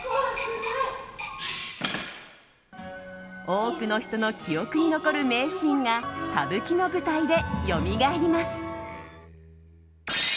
多くの人の記憶に残る名シーンが歌舞伎の舞台でよみがえります。